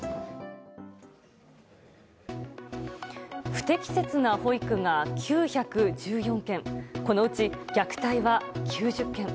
不適切な保育が９１４件このうち虐待は９０件。